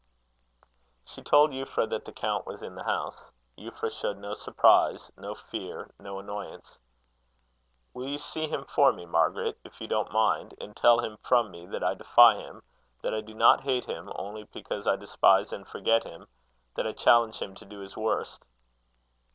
She told Euphra that the count was in the house. Euphra showed no surprise, no fear, no annoyance. "Will you see him for me, Margaret, if you don't mind; and tell him from me, that I defy him; that I do not hate him, only because I despise and forget him; that I challenge him to do his worst."